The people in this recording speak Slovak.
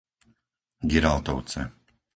Giraltovce